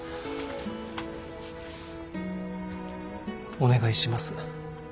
お願いします。